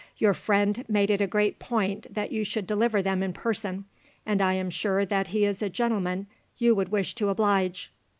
Your friend made it a great point that you should deliver them in person, and I am sure that he is a gentleman you would wish to oblige."